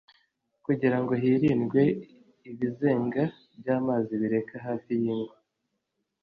kugira ngo hirindwe ibizenga by’amazi bireka hafi y’ingo